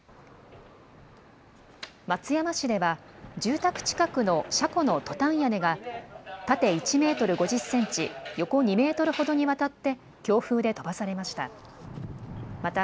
松山市では住宅近くの車庫のトタン屋根が、縦１メートル５０センチ、横２メートルほどにわたって強風で飛ばされました。